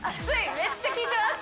めっちゃきいてます！